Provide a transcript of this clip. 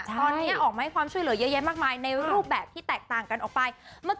ตอนนี้ออกมาให้ความช่วยเหลือเยอะแยะมากมายในรูปแบบที่แตกต่างกันออกไป